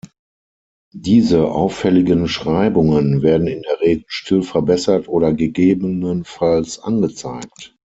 Diese auffälligen Schreibungen werden in der Regel still verbessert oder gegebenenfalls angezeigt.